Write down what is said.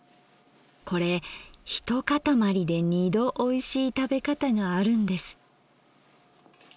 これ一塊で二度おいしい食べ方があるんです。